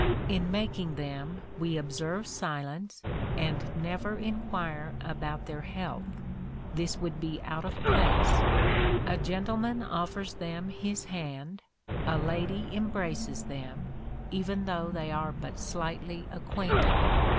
In making them, we observe silence, and never inquire about their health; this would be out of place. A gentleman offers them his hand, a lady embraces them, even though they are but slightly acquainted.